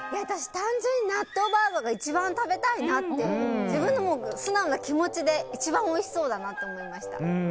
単純に納豆バーガーが一番食べたいなって自分の素直な気持ちで一番おいしそうだなと思いました。